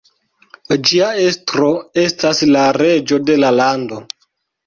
Ĝia estro estas la reĝo de la lando.